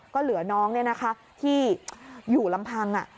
ก็เหลือน้องที่อยู่ลำพัง